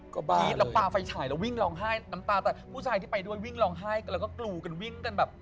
เขาไม่มีหน้าอะไรเลย